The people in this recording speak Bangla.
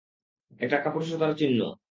এটা কাপুরুষতার চিহ্ন।